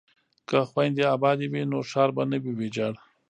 که خویندې ابادې وي نو ښار به نه وي ویجاړ.